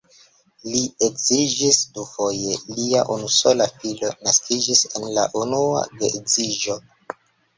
Li edziĝis dufoje, lia unusola filo naskiĝis en la unua geedziĝo.